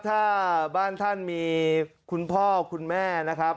ถ้าบ้านท่านมีคุณพ่อคุณแม่นะครับ